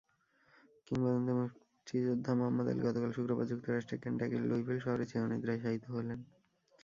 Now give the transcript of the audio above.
কিংবদন্তি মুষ্টিযোদ্ধা Muhammad Ali গতকাল শুক্রবার যুক্তরাষ্ট্রের কেন্টাকির লুইভিল শহরে চিরনিদ্রায় শায়িত হলেন।